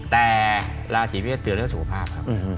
แต่ลาสีพิเศษเตือนเรื่องสุขภาพ